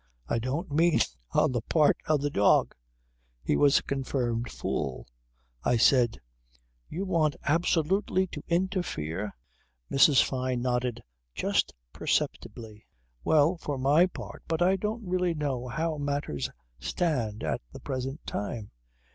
I don't mean on the part of the dog. He was a confirmed fool. I said: "You want absolutely to interfere ...?" Mrs. Fyne nodded just perceptibly ... "Well for my part ... but I don't really know how matters stand at the present time.